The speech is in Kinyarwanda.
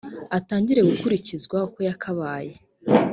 atangire gukurikizwa uko yakabaye